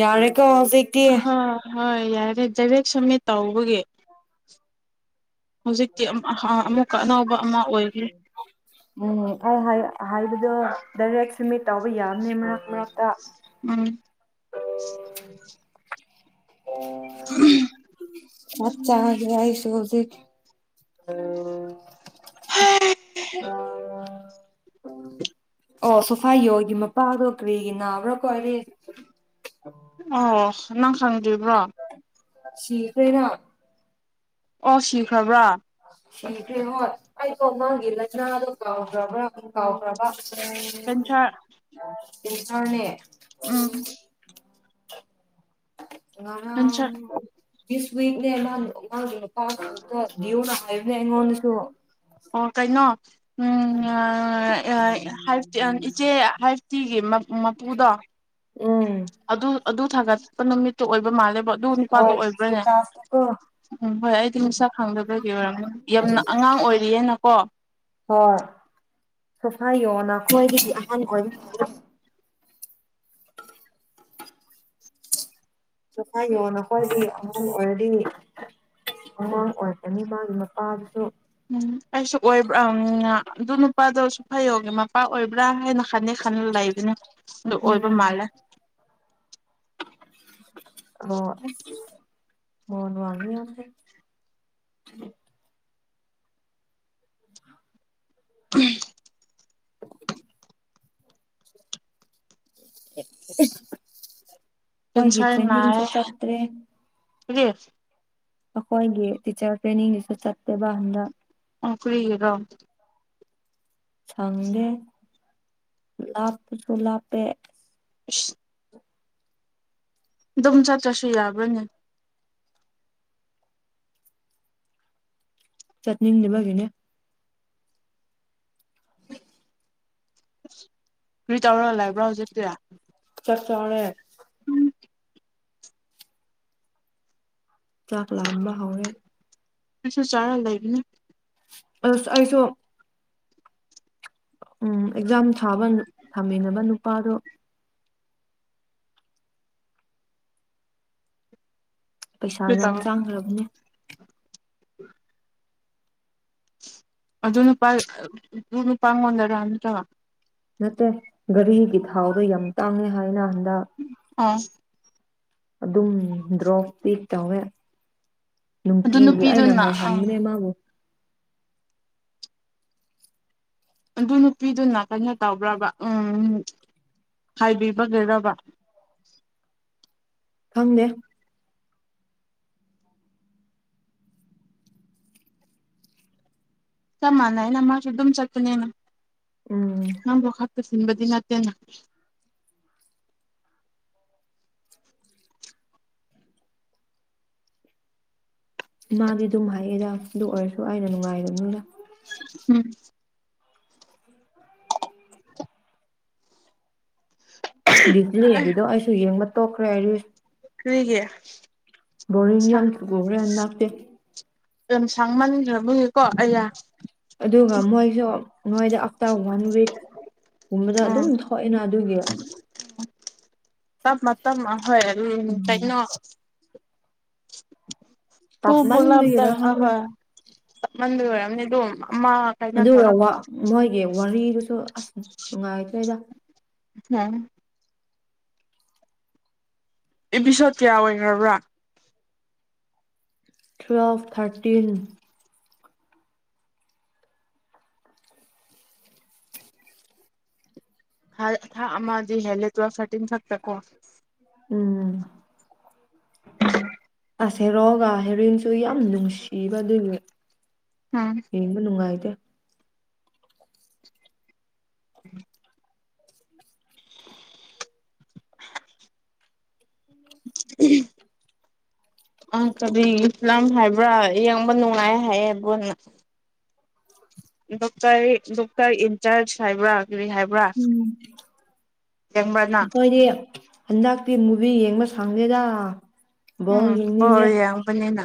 ꯑꯣ ꯍꯥꯌꯦ ꯀ ꯁꯇꯦ ꯑꯍꯣꯏ ꯍꯣꯏ ꯌꯥꯔꯦ ꯗꯥꯏꯔꯦꯛ ꯁꯝꯃꯤꯠ ꯇꯧꯕꯒꯤ ꯍꯧꯖꯤꯛꯇꯤ ꯑꯅꯧꯕ ꯑꯃ ꯑꯣꯏꯈ꯭ꯔꯦ ꯎꯝ ꯑꯩ ꯍꯥꯏꯗ ꯗꯔ ꯁꯤꯃꯤꯠ ꯇꯥꯎꯕ ꯌꯥꯕꯅꯦ ꯃꯔꯛꯇ ꯎꯝ ꯍꯝ ꯆꯥꯛ ꯆꯥꯒꯦ ꯑꯩꯁꯨ ꯍꯧꯖꯤꯛ [unintelligible] ꯑꯣ ꯁꯣꯐꯥꯏ ꯌꯣꯒꯤ ꯃꯄꯥꯗꯣ ꯀꯔꯤꯒꯤ ꯅꯥꯕ꯭ꯔꯥ ꯀꯣ ꯑꯣ ꯅꯪ ꯁꯡ ꯗꯤꯕ꯭ꯔꯣ ꯁꯤꯈ꯭ꯔꯦꯅ ꯑꯣ ꯁꯤꯈ꯭ꯔꯕ꯭ꯔꯥ ꯁꯤꯈ꯭ꯔꯦ ꯍꯣꯏ ꯑꯩꯗꯣ ꯃꯥꯒꯤ ꯂꯥꯏꯅꯥꯗꯣ ꯀꯥꯎꯈ꯭ꯔꯕ꯭ꯔꯥ ꯀꯥꯎꯈ꯭ꯔꯕꯥ ꯀꯦꯟꯁꯔ [unintelligible] ꯌꯦꯟꯁꯥꯅꯦ ꯎꯝ ꯀꯦꯟꯁꯔ [unintelligible] ꯗꯤꯁ ꯋꯤꯛꯅꯦ ꯃꯥ ꯃꯥ ꯄꯥ ꯅꯥꯕꯗꯣ ꯌꯨꯅ ꯍꯥꯏꯕꯅꯦ ꯑꯩꯉꯣꯟꯗꯁꯨ ꯑꯣ ꯀꯩꯅꯣ ꯎꯝ [unintelligible] ꯏꯆꯦ ꯍꯥꯏ ꯁꯤꯒꯤ ꯃꯄꯨꯗꯣ ꯎꯝ ꯑꯗꯨ ꯑꯗꯨ ꯊꯥꯡꯒꯠꯄ ꯅꯨꯃꯤꯠ ꯑꯣꯏꯕ ꯃꯥꯜꯂꯦꯕ ꯑꯗꯨ ꯅꯨꯄꯥꯗꯣ ꯍꯣꯏ ꯑꯣꯏꯕ꯭ꯔꯅꯦ ꯏꯁꯇꯦꯇꯥꯁꯇꯀꯣ ꯎꯝ ꯍꯣꯏ ꯑꯩꯗꯤ ꯃꯁꯛ ꯈꯪꯗꯕꯒꯤ ꯑꯣꯏꯔꯝꯒꯅꯤ ꯌꯥꯝꯅ ꯑꯉꯥꯡ ꯑꯣꯏꯔꯤꯑꯅ ꯀꯣ ꯍꯣꯏ ꯁꯣꯐꯥꯏ ꯌꯣ ꯅꯈꯣꯏꯒꯤꯗꯤ ꯑꯍꯥꯟꯕ ꯑꯣꯏ ꯁ ꯍꯥꯏꯥꯏꯌꯣ ꯅꯈꯣꯏꯗꯤ ꯑꯉꯥꯡ ꯑꯣꯏꯔꯗꯤ ꯑꯉꯥꯡ ꯑꯣꯏꯔꯛꯀꯅꯤ ꯃꯥꯒꯤ ꯃꯄꯥꯗꯨꯁꯨ ꯎꯝ ꯑꯩꯁꯨ ꯑꯣꯏꯕ꯭ꯔꯥ ꯑꯗꯨ ꯅꯨꯄꯥꯗꯣꯁꯨ ꯐꯩꯌꯣꯒꯦ ꯃꯄꯥ ꯑꯣꯏꯕ꯭ꯔꯥ ꯍꯥꯏꯅ ꯈꯟꯗꯤ ꯈꯟꯂ ꯂꯩꯕꯅꯤ ꯑꯗꯨ ꯑꯣꯏꯕ ꯎꯝ ꯃꯥꯟꯂꯦ [unintelligible] ꯑꯣ ꯑꯁ ꯃꯣꯟ [unintelligible] ꯍꯝ [unintelligible] ꯃꯣꯏꯒꯤ ꯀꯦꯟꯁꯔ ꯇ꯭ꯔꯦꯅꯤꯡꯁꯨ ꯆꯠꯇ꯭ꯔꯦ ꯁꯤ ꯑꯩꯈꯣꯏꯒꯤ ꯇꯤꯆꯔ ꯇ꯭ꯔꯦꯅꯤꯡꯗꯨꯁꯨ ꯆꯠꯇꯦꯕ ꯍꯟꯗ ꯑꯣꯈꯔꯤꯔꯣ ꯁꯪ ꯗꯦ ꯂꯄꯁꯨꯨꯂꯄꯦ ꯑꯁ ꯑꯗꯨꯝ ꯆꯠꯇ꯭ꯔꯁꯨ ꯌꯥꯕ꯭ꯔꯅꯦ ꯆꯠꯅꯤꯡꯅꯦꯕꯒꯤꯅꯦ ꯔꯔꯤ ꯇꯧ꯭ꯔꯣꯂ ꯏꯕ꯭ꯔꯥꯣ ꯍꯧꯖꯤꯞꯛꯇꯔꯥ ꯆꯠ ꯆꯥꯎꯥꯅꯦ ꯆꯥꯛ ꯂꯥꯝꯕ ꯍꯧꯔꯦ ꯀꯁꯨ ꯆꯥꯔ ꯂꯩꯒꯅꯤ ꯑꯁ ꯑꯩꯁꯨ ꯎꯝ ꯑꯦꯛꯖꯥꯝ ꯁꯥꯕ ꯊꯝꯃꯤꯟꯅꯕ ꯅꯨꯄꯥꯗꯣ ꯄꯩꯁꯥ ꯀꯔꯤ ꯌꯥꯝ ꯇꯧꯔ ꯆꯥꯡꯈ꯭ꯔꯕꯅꯦ [unintelligible] ꯑꯗꯨ ꯅꯨꯄꯥ ꯑꯗꯨ ꯅꯨꯄꯥꯉꯣꯟꯂꯔꯥ ꯅꯠꯇ꯭ꯔ ꯅꯠꯇꯦ ꯘꯔꯤꯒꯤ ꯊꯥꯎꯗꯣ ꯌꯥꯝ ꯇꯥꯡꯉꯦ ꯍꯥꯏꯅ ꯍꯟꯗꯛ ꯎꯝ ꯑꯗꯨꯝ ꯎ ꯗ꯭ꯔꯣꯞ ꯄꯤ ꯇꯋꯦ ꯑꯗꯨ ꯅꯨꯡꯇꯤꯒꯤ ꯅꯨꯄꯤꯗꯨꯅ ꯑꯩꯅꯪꯥꯏ ꯑꯥ ꯍꯟꯅꯦ ꯃꯥꯕꯨ ꯑꯗꯨ ꯅꯨꯄꯤꯗꯨꯅ ꯀꯩꯅꯣ ꯇꯧꯕ꯭ꯔꯕ ꯎꯝ ꯍꯥꯏꯕꯤꯕꯒꯤꯔꯕ ꯈꯪꯗꯦ ꯀꯃꯥꯟꯅꯅꯃꯁꯨ ꯑꯗꯨꯝ ꯆꯠꯠꯇꯅꯦꯅ ꯎꯝ ꯀꯁꯤꯟꯕꯗꯤꯅꯥꯇꯦꯅ ꯃꯥꯒꯤ ꯑꯗꯨ ꯃꯥꯒ ꯑꯗꯨ ꯑꯣꯏꯔꯁꯨ ꯑꯩꯅ ꯅꯨꯡꯉꯥꯏꯗꯕꯅꯤꯅ ꯎꯝ ꯗꯗꯤꯗꯂꯤ ꯑꯦ ꯍꯦꯒꯗꯣ ꯑꯁꯨꯣ ꯌꯦꯡ ꯃ ꯇꯣ ꯈꯔꯦꯔꯤ ꯍꯒꯌꯥ ꯕꯔꯤꯡ ꯌꯥꯝ ꯕ꯭ꯔꯅ ꯂꯥꯛꯇꯦ ꯌꯥꯝ ꯁꯥꯡꯃꯟꯈ꯭ꯔꯕꯒꯦꯀꯣ ꯑꯩꯌꯥ ꯑꯗꯨꯒ ꯃꯣꯏꯁꯨ ꯅꯣꯏꯗ ꯑꯥꯐꯇꯔ ꯋꯥꯟ ꯋꯤꯛ ꯀꯨꯝꯕꯗ ꯎꯝ ꯑꯗꯨꯝ ꯊꯣꯛꯑꯦꯅ ꯑꯗꯨꯒꯤ ꯇꯞ ꯃꯞ ꯍꯣꯏ ꯑꯗꯨꯝ ꯎꯝ ꯀꯩꯅꯩꯅꯣ ꯍꯨ [unintelligible] ꯣꯂꯕꯗ ꯇꯞꯃꯟꯕꯒꯤꯔ ꯈꯪꯗꯦ ꯍꯣꯏ ꯃꯟꯗꯨ ꯑꯣꯏꯔꯝꯅꯤ ꯑꯗꯨꯣ ꯑꯃ ꯀꯥꯏꯅ ꯊꯧꯔ ꯑꯗꯨꯁꯨ ꯑꯁ ꯅꯨꯡꯉꯥꯏꯇ꯭ꯔꯦꯗ ꯎꯝ ꯑꯦꯄꯤꯁꯣꯠ ꯀꯌꯥ ꯑꯣꯏꯈꯔꯕ꯭ꯔꯥ ꯇ꯭ꯋꯦꯜꯐ ꯊꯥꯔꯇꯤꯟ ꯊ ꯑꯃꯖꯤ ꯍꯦꯜꯂꯦꯠ ꯋꯥ ꯐꯇꯤꯟ ꯐꯛꯇꯀꯣ ꯎꯝ ꯑꯁ ꯍꯦꯔꯣꯒ ꯍꯦꯔꯣꯏꯟꯁꯨ ꯌꯥꯝ ꯅꯨꯡꯁꯤꯕ ꯑꯗꯨꯏꯗꯤ ꯎꯝ ꯌꯦꯕ ꯅꯨꯡꯉꯥꯏꯗ ꯎꯝ ꯑ ꯀꯕꯤ ꯏꯂꯝ ꯍꯥꯏꯕ꯭ꯔꯥ ꯌꯦꯡꯕ ꯅꯨꯡꯉꯥꯏ ꯍꯥꯏꯌꯦꯕꯣꯟꯅ ꯗꯣꯛꯇꯔ ꯗꯣꯛꯇꯔ ꯏꯟꯆꯔꯖ ꯁꯥꯕ꯭ꯔꯥꯥꯛ ꯔꯤ ꯍꯥꯏꯕ꯭ꯔꯥ ꯎꯝ ꯌꯦꯡꯕ꯭ꯔꯥ ꯅꯪ ꯑꯩꯈꯣꯏꯗꯤ ꯍꯟꯗꯛꯇꯤ ꯃꯨꯚꯤ ꯌꯦꯡꯕ ꯁꯥꯡꯗꯦꯗ ꯎꯝ ꯌꯥꯝꯕꯅꯤꯅ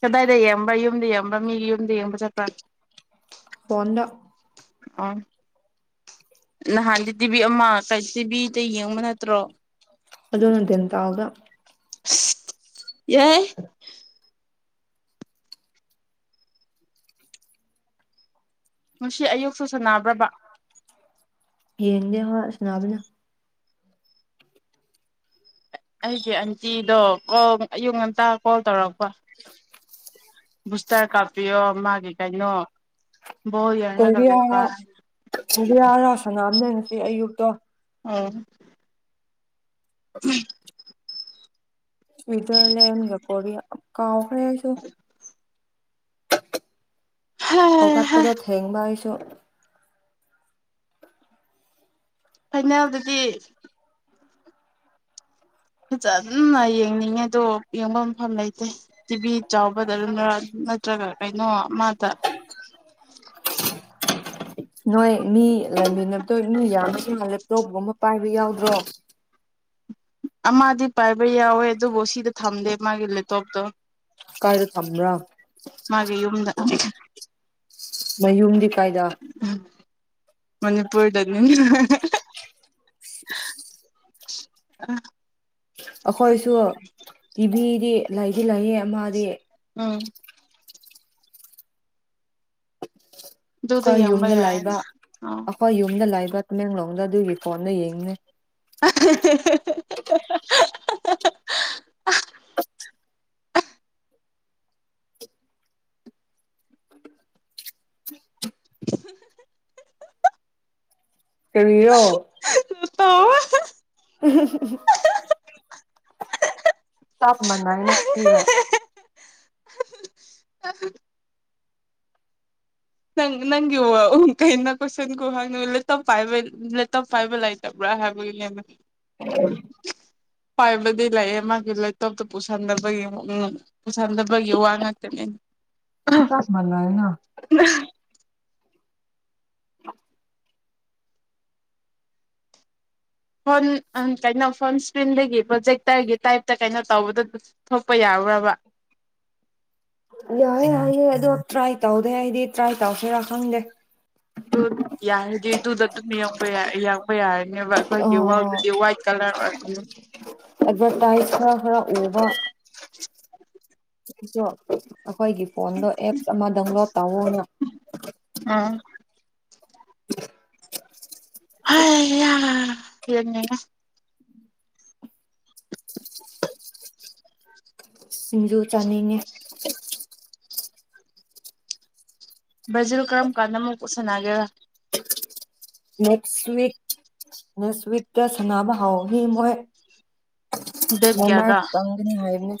ꯀꯗꯥꯏꯗ ꯌꯦꯡꯕ ꯌꯨꯝꯗ ꯌꯦꯡꯕ ꯃꯤꯒꯤ ꯌꯨꯝꯗ ꯌꯦꯡꯕ ꯆꯠꯄ ꯐꯣꯟꯗ ꯑ ꯅꯍꯥꯟꯗꯤ ꯇꯤꯚꯤ ꯑꯃ ꯀ ꯇꯤꯚꯤꯗ ꯌꯦꯡꯕ ꯅꯠꯇ꯭ꯔꯣ ꯑꯗꯨꯗꯣ ꯅꯗꯦ ꯇꯑꯒ ꯌꯥꯏ ꯉꯁꯤ ꯑꯌꯨꯛꯁꯨ ꯁꯥꯟꯅꯕ꯭ꯔꯕ ꯌꯦꯡꯗꯦ ꯍꯣꯏ ꯁꯅꯥꯕꯅ ꯑꯩꯒꯤ ꯑꯟꯇꯤꯗꯣ ꯀꯜ ꯑꯌꯨꯛ ꯉꯟꯇꯥ ꯀꯣꯜ ꯇꯧꯔꯛꯄ ꯕꯨꯁꯇꯔ ꯀꯥꯞꯄꯤꯌꯣ ꯃꯥꯒꯤ ꯀꯩꯅꯣ ꯕꯣꯜ ꯌꯦꯡꯔꯒ ꯀꯣꯔꯤꯌꯥ ꯂꯩꯕ ꯀꯔꯤꯌꯥꯔꯁꯅ ꯊꯅꯔꯁꯤ ꯑꯌꯨꯛꯇꯣ ꯑꯣ [inaudible] ꯏꯗꯨꯣꯂꯦꯝꯖ ꯀꯣ ꯀꯥꯎ ꯑꯔꯥꯏꯁꯨ ꯍꯒꯄꯗꯠ ꯍꯡ ꯏꯁ ꯆꯣꯠ ꯐꯥꯏꯅꯦꯜꯗꯗꯤ ꯐꯖꯅ ꯌꯦꯡꯅꯤꯡꯉꯦꯗꯣ ꯌꯦꯡꯕ ꯃꯐꯝ ꯂꯩꯇꯦ ꯇꯤꯚꯤ ꯆꯥꯎꯕꯗ ꯑꯗꯨꯅ ꯅꯠꯇ꯭ꯔꯒ ꯀꯩꯅꯣ ꯃꯥꯗ ꯅꯣꯏ ꯃꯤ ꯂꯩꯃꯤꯟꯅꯞꯇꯣꯏ ꯃꯤ ꯌꯥꯝ ꯃꯤ ꯑꯃ ꯂꯦꯞꯇꯣꯞꯒꯨꯝꯕ ꯄꯥꯏꯕ ꯌꯥꯎꯗ꯭ꯔꯣ ꯑꯃꯗꯤ ꯄꯥꯏꯕ ꯌꯥꯎꯋꯦ ꯑꯗꯨꯕꯨ ꯁꯤꯗ ꯊꯝꯗꯦ ꯃꯥꯒꯤ ꯂꯦꯞꯇꯣꯞꯇꯣ ꯀꯥꯏꯗ ꯊꯝꯕ꯭ꯔꯥ ꯃꯥꯒꯤ ꯌꯨꯝꯗ ꯑꯝ ꯊ ꯃꯌꯨꯝꯗꯤ ꯀꯥꯏꯗ ꯃꯅꯤꯄꯨꯔꯗꯅꯤ ꯍꯍ ꯍꯍ ꯑ ꯑꯈꯣꯏꯁꯨ ꯇꯤꯚꯤ ꯗꯤ ꯂꯩꯗꯤ ꯂꯩꯌꯦ ꯃꯥꯗꯤ ꯎꯝ ꯑꯗꯨꯗ ꯑꯈꯣꯏ ꯌꯦꯡꯕ ꯌꯨꯝꯗ ꯌꯥꯏꯅ ꯂꯥꯏꯕ ꯑꯥꯎ ꯑꯈꯣꯏ ꯌꯨꯝꯗ ꯂꯥꯏꯕ ꯇꯃꯦꯡꯂꯣꯡꯗ ꯑꯗꯨꯒꯤ ꯐꯣꯟꯗ ꯌꯦꯡꯅꯦ ꯍ ꯍ ꯍ ꯍ ꯍ ꯍ ꯍ ꯑꯍ ꯍꯨꯡ ꯍꯥ ꯍꯥ ꯍꯥ ꯍꯥ ꯍꯥ ꯀꯔꯤ ꯔꯣ ꯇꯥ [unintelligible] ꯇꯞ ꯃꯅꯥꯏꯅ ꯊꯤꯒ ꯑ ꯍꯨꯝ ꯁꯁ ꯑ ꯅꯪ ꯅꯪꯒꯤ ꯋꯥ ꯑꯍꯨꯝ ꯀꯩꯅ ꯀꯣꯏꯁꯟ ꯈꯨꯍꯪꯅꯣ ꯂꯦꯞꯇꯣꯞ ꯄꯥꯏꯕ ꯂꯦꯞꯇꯣꯞ ꯄꯥꯏꯕ ꯂꯩꯇꯕ꯭ꯔꯥ ꯍꯥꯏꯕꯒꯤꯅꯦꯅ ꯄꯥꯏꯕꯗꯤ ꯂꯩꯌꯦ ꯃꯥꯒꯤ ꯂꯦꯞꯇꯣꯞꯇꯣ ꯄꯨꯁꯟꯗꯕꯒꯤ ꯄꯨꯁꯟꯗꯕꯒꯤ ꯋꯥ ꯉꯥꯛꯇꯅꯦ ꯆꯞ ꯃꯂ ꯍꯥꯏꯅ [unintelligible] ꯑ ꯐꯣꯟ ꯑ ꯀꯩꯅꯣ ꯐꯣꯟ ꯏꯁꯀ꯭ꯔꯤꯟꯗꯒꯤ ꯄ꯭ꯔꯣꯖꯦꯛꯇꯔꯒꯤ ꯇꯥꯏꯞꯇ ꯀꯩꯅꯣ ꯇꯧꯕꯗꯣ ꯊꯣꯛꯄ ꯌꯥ꯭ꯕ꯭ꯔꯥꯕ ꯌꯥꯏꯑꯦ ꯌꯥꯏꯑꯦ ꯑꯗꯣ ꯇ꯭ꯔꯥꯏ ꯇꯧꯗꯦ ꯑꯩꯗꯤ ꯇ꯭ꯔꯥꯏ ꯇꯧꯁꯤꯦꯔꯥ ꯈꯪꯗꯦ ꯑꯗꯨ ꯌꯥꯔꯗꯤꯗꯨꯗ ꯑꯗꯨ ꯕ ꯌꯥ ꯑꯩ ꯌꯥꯎꯕ ꯌꯥꯏ ꯖꯤꯅꯦꯕ ꯑꯩꯈꯣꯏꯒꯤ ꯑꯣ ꯋꯥꯜꯗꯨꯗꯤ ꯋꯥꯏꯠ ꯀꯂꯔ ꯑꯣꯏꯕꯅꯦ ꯑꯦꯗꯚꯔꯇꯥꯏꯁ ꯈꯔ ꯈꯔ ꯎꯕ [unintelligible] ꯑꯩꯈꯣꯏꯒꯤ ꯐꯣꯟꯗꯣ ꯑꯦꯞꯁ ꯑꯃ ꯗꯥꯎꯟꯂꯣꯗ ꯇꯧꯋꯅ ꯎꯝ [unintelligible] [unintelligible] ꯍ ꯌꯥ ꯌꯦꯒꯅꯦꯉ ꯁꯤꯡꯗꯨꯨ ꯆꯥꯟꯅꯤꯡꯉꯦ [unintelligible] ꯕꯖꯔ ꯀꯔꯝ ꯀꯥꯟꯗ ꯑꯃꯨꯛ ꯎꯁꯟꯅꯒꯦꯔꯥ ꯅ ꯎꯛ ꯅꯦꯛ ꯎꯛ ꯁꯅꯥꯕ ꯍꯥꯎ ꯍ ꯃꯣꯏ ꯗꯦꯠ ꯃ ꯃꯔ ꯀꯌꯥꯗ ꯆꯪꯒꯅꯤ ꯍꯥꯏꯕꯅꯤ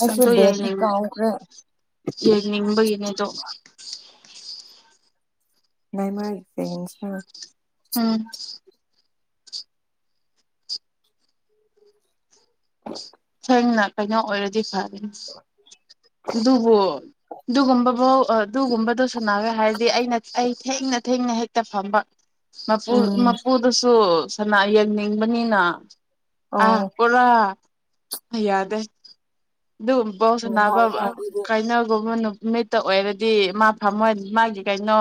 ꯑꯩꯁꯨ ꯑꯗꯣ ꯗꯦꯞꯗꯤ ꯌꯦꯡꯅꯤꯡ ꯀꯥꯎꯈ꯭ꯔꯦ ꯌꯦꯡꯅꯤꯡꯕꯒꯤꯅꯦ ꯑꯗꯣ ꯅ ꯃꯥꯁ ꯎꯝ ꯍ ꯊ ꯊꯦꯡꯅ ꯀꯩꯅꯣ ꯑꯣꯏꯔꯗꯤ ꯐꯔꯦ ꯑꯗꯨꯕꯨ ꯑꯗꯨꯒꯨꯝꯕ ꯐꯧ ꯑꯗꯨꯒꯨꯝꯕꯗꯨ ꯁꯅꯒꯦ ꯍꯥꯏꯔꯗꯤ ꯑꯩꯅ ꯑꯩ ꯊꯦꯡꯅ ꯊꯦꯡꯅ ꯍꯦꯛꯇ ꯐꯝꯕ ꯃꯄꯨ ꯎꯝ ꯃꯄꯨꯗꯁꯨ ꯁꯅꯥ ꯌꯦꯡꯅꯤꯡꯕꯅꯤꯅ ꯑꯥ ꯑꯣ ꯄꯨꯔꯥ ꯌꯥꯗ ꯑꯦ ꯑꯗꯨꯒꯨꯝꯕꯁ ꯅꯥꯅꯕ ꯅꯨꯡꯉꯥꯏꯅ ꯑꯗꯨꯗꯤ ꯀꯥꯏꯅꯒꯨꯝꯕꯅ ꯅꯨꯠꯇ ꯑꯣꯏꯔꯗꯤ ꯃꯥ ꯐꯝꯃꯣꯏ ꯃꯥꯒꯤ ꯀꯩꯅꯣ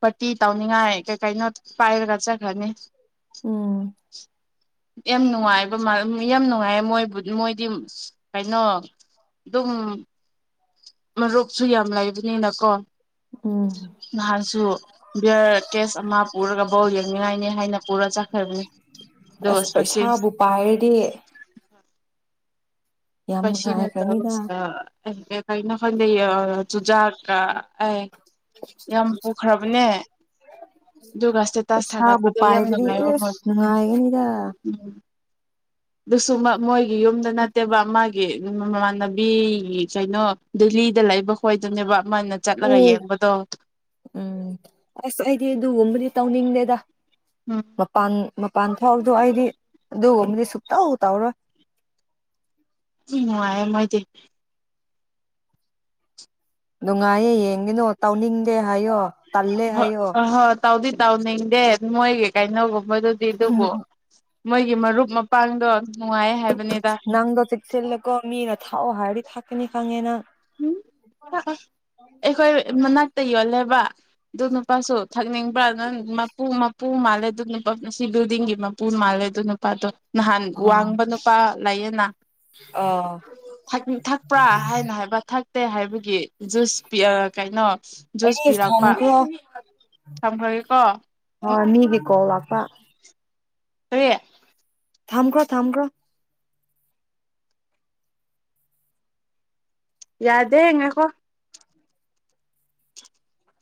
ꯄꯥꯔꯇꯤ ꯇꯧꯅꯤꯡꯉꯥꯏ ꯀꯩ ꯀꯩꯅꯣ ꯄꯥꯏꯔꯒꯠꯆꯈ꯭ꯔꯅꯤ [unintelligible] ꯎꯝ ꯌꯥꯝꯦꯝ ꯅꯨꯡꯉꯥꯏ ꯌꯥꯝ ꯅꯨꯡꯉꯥꯏꯌꯦ ꯃꯣꯏꯕꯨ ꯃꯣꯏꯗꯤ ꯀꯩꯅꯣ ꯑꯗꯨꯝ ꯃꯔꯨꯞꯁꯨ ꯌꯥꯝ ꯂꯩꯕꯅꯤꯅꯀꯣ ꯎꯝ ꯅꯍꯥꯟꯁꯨ ꯕꯤꯌꯔ ꯇꯦꯁ ꯑꯃ ꯄꯨꯔꯒ ꯕꯧ ꯌꯦꯡꯅꯤꯡꯉꯥꯏꯅꯤ ꯍꯥꯏꯅ ꯄꯨꯔ ꯆꯠꯈ꯭ꯔꯕꯅꯤ ꯑꯗꯨꯒ ꯏꯁꯄꯁꯤ ꯍꯥꯏꯗꯤ ꯄꯁꯤꯅꯠꯇꯁ ꯀꯩꯅꯅ ꯈꯪꯗ ꯆꯨꯖꯥ ꯀꯥ ꯑꯦ ꯌꯥꯝ ꯄꯨꯈ꯭ꯔꯕꯅꯦ ꯑꯗꯨꯒ ꯏꯁꯇꯦꯇꯥꯁ ꯄꯩꯁꯥꯕꯨ ꯊꯥꯒꯠꯄꯗ ꯌꯥꯝ ꯄꯥꯏꯔꯗꯤ ꯅꯨꯡꯉꯥꯏꯕ ꯑꯁ ꯃꯣꯏꯗ ꯅꯨꯡꯉꯥꯏꯒꯅꯤꯗ ꯎꯝ ꯁꯨꯃ ꯃꯣꯏꯒꯤ ꯌꯨꯝꯗ ꯅꯠꯇꯦꯕ ꯃꯥꯒꯤ ꯃꯃꯥꯟꯅꯕꯤ ꯀꯩꯅꯣ ꯗꯦꯜꯂꯤꯗ ꯂꯩꯕ ꯈꯣꯏꯗꯅꯦꯕ ꯎ ꯎꯝ ꯑꯁ ꯑꯩꯗꯤ ꯑꯗꯨꯒꯨꯝꯕꯗꯤ ꯇꯧꯅꯤꯡꯗꯦꯗ ꯎꯝ ꯃꯄꯥꯟ ꯃꯄꯥꯟ ꯊꯣꯛꯥꯎꯎꯗꯣ ꯑꯩꯗꯤ ꯑꯗꯨꯒꯨꯝꯕꯗꯤ ꯁꯨꯇꯥꯎ ꯇꯧꯔꯣꯏ ꯎꯅꯨꯡꯉ ꯃꯥꯏꯗꯤ ꯅꯨꯡꯉꯥꯏꯌꯦ ꯌꯦꯡꯒꯤꯅꯣ ꯇꯧꯅꯤꯡꯗꯦ ꯍꯥꯏꯌꯣ ꯇꯜꯂꯦ ꯍꯥꯏꯌꯣ ꯍ ꯍꯣꯏ ꯇꯥꯎꯗꯤ ꯇꯥꯎꯅꯤꯦ ꯃꯣꯏꯒꯤ ꯀꯥꯏꯩꯅꯣꯒꯨꯝꯕꯗꯨꯗꯤ ꯎꯝ ꯑꯗꯨꯕꯨ ꯃꯣꯏꯒꯤ ꯃꯔꯨꯞ ꯃꯄꯥꯡꯗꯣ ꯅꯨꯡꯉꯥꯏ ꯍꯥꯏꯕꯅꯤꯗ ꯅꯪꯗ ꯆꯁꯜꯂ ꯀꯣ ꯃꯤꯅ ꯊꯥꯎꯑꯣ ꯍꯥꯥꯔꯤ ꯊꯥꯅꯤ ꯈꯥꯉꯦꯅꯥ ꯎꯝ ꯑꯩꯈꯣꯏ ꯃꯅꯥꯛꯇ ꯌꯣꯜꯂꯦꯕ ꯑꯗꯨ ꯅꯨꯄꯥꯁꯨ ꯊꯛꯅꯤꯡꯕ꯭ꯔ ꯑꯗꯨꯪ ꯃꯄꯨ ꯄꯨ ꯃꯥꯜꯂꯦ ꯑꯗꯨ ꯅꯨꯄꯥ ꯃꯁꯤ ꯕꯤꯜꯗꯤꯡꯒꯤ ꯃꯄꯨ ꯃꯥꯜꯂꯦ ꯑꯗꯨ ꯅꯨꯄꯥꯗꯣ ꯅꯍꯥꯟ ꯑꯥ ꯋꯥꯡꯕ ꯅꯨꯄꯥ ꯂꯩꯌꯦꯅꯥ ꯑꯥ ꯊꯛꯄꯤ ꯊꯛꯄ꯭ꯔꯥ ꯍꯥꯏꯅ ꯍꯥꯏꯕ ꯊꯛꯇꯦ ꯍꯥꯏꯕꯒꯤ ꯖꯨꯁ ꯄꯤꯌꯔ ꯀꯩꯅꯣ ꯖꯨꯁ ꯑꯁ ꯄꯤꯔꯛꯄ ꯊꯝꯈ꯭ꯔꯣ ꯊꯝꯈ꯭ꯔꯒꯦꯀꯣ ꯍꯣꯏ ꯃꯤꯒꯤ ꯀꯣꯜ ꯂꯥꯛ ꯄꯥ ꯍ ꯊꯝꯈ꯭ꯔꯣ ꯊꯝꯈ꯭ꯔꯣ ꯌꯥꯗꯦ ꯍꯉꯀꯣ [inaudible]